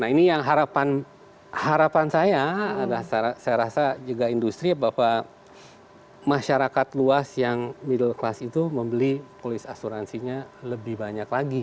nah ini yang harapan saya adalah saya rasa juga industri bahwa masyarakat luas yang middle class itu membeli polis asuransinya lebih banyak lagi